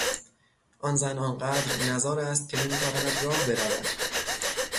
آن زن آنقدر نزار است که نمیتواند راه برود.